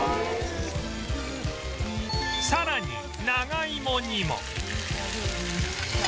さらに長芋にも